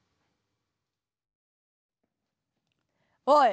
おい！